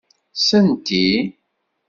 Senti!